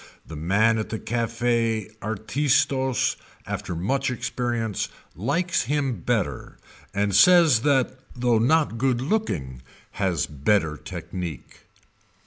The man at the Cafe Artistos after much experience likes him better and says that though not good looking has better technique.